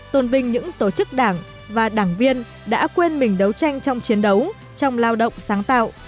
tôn vinh những tổ chức đảng và đảng viên đã quên mình đấu tranh trong chiến đấu trong lao động sáng tạo